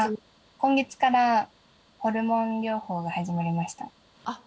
今月からホルモン療法が始まりましたあっ